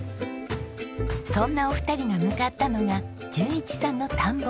そんなお二人が向かったのが淳一さんの田んぼ。